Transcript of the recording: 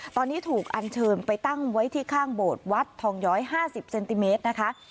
ตอนนี้ถูกอันเชิญไปตั้งไว้ที่ข้างโบสถ์วัดทองย้อย๕๐เซนติเมตรนะคะ